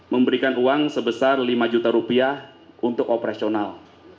memberikan uang sebesar lima juta rupiah untuk operasional